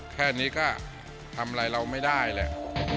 แค่นี้ก็ทำอะไรเราไม่ได้แหละ